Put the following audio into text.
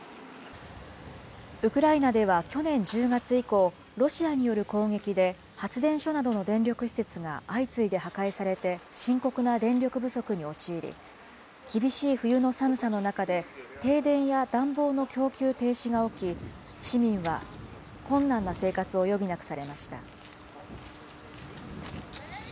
ウクライナでは去年１０月以降、ロシアによる攻撃で発電所などの電力施設が相次いで破壊されて深刻な電力不足に陥り、厳しい冬の寒さの中で、停電や暖房の供給停止が起き、市民は困難な生活を余儀なくされました。